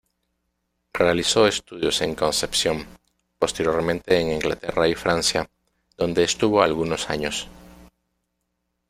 Realizó estudios en Concepción, posteriormente en Inglaterra y Francia, donde estuvo algunos años.